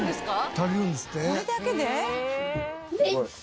足りるんですって。